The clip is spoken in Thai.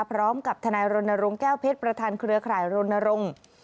พร้อมกับทนายรณรงค์แก้วเพชรประธานเครือข่ายรณรงค์